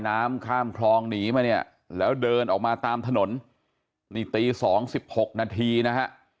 น้ำข้ามคลองหนีมาเนี่ยแล้วเดินออกมาตามถนนนี่ตีสองสิบหกนาทีนะฮะ